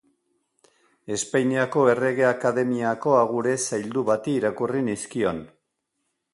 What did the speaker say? Espainiako Errege Akademiako agure zaildu bati irakurri nizkion.